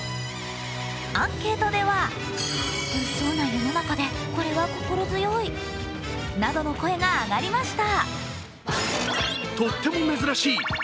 アンケートではなどの声が上がりました。